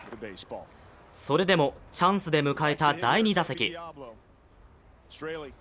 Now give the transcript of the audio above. それでもチャンスで迎えた第２打席。